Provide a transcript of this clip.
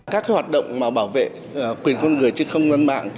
các hoạt động bảo vệ quyền con người trên không gian mạng